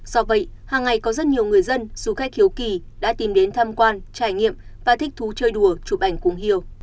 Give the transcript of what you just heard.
do vậy hàng ngày có rất nhiều người dân du khách hiếu kỳ đã tìm đến tham quan trải nghiệm và thích thú chơi đùa chụp ảnh cùng hiểu